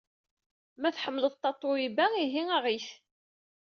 Ma tḥemmleḍ Tatoeba, ihi aɣ-it!